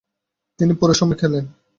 তিনি পুরো সময় খেলেন।